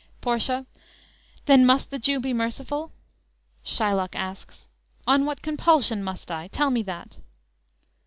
Portia: "Then must the Jew be merciful?" Shylock asks: "On what compulsion must I? Tell me that?"